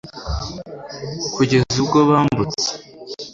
kugeza ubwo bambutse